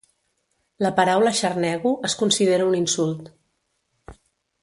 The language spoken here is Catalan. La paraula xarnego es considera un insult.